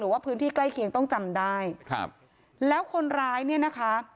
ว่าพื้นที่ใกล้เคียงต้องจำได้ครับแล้วคนร้ายเนี่ยนะคะ